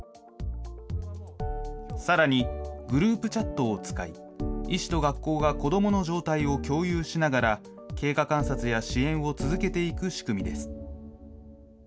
さらにグループチャットを使い、医師と学校が子どもの状態を共有しながら、経過観察や支援を続けていく仕組みです。